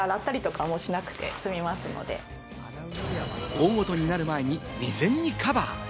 大ごとになる前に未然にカバー。